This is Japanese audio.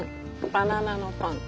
バナナのパン。